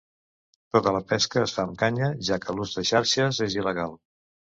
Tota la pesca es fa amb canya, ja que l'ús de xarxes és il·legal.